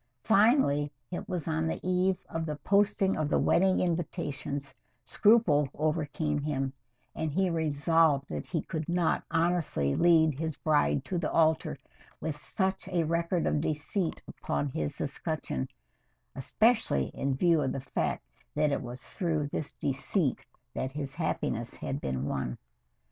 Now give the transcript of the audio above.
Finally it was on the eve of the posting of the wedding invitations scruple overcame him, and he resolved that he could not honestly lead his bride to the altar with such a record of deceit upon his escutcheon, especially in view of the fact that it was through this deceit that his happiness had been won.